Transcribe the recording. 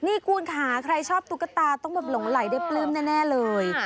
นี่คุณค่ะใครชอบตุ๊กตาต้องแบบหลงไหลได้ปลื้มแน่เลย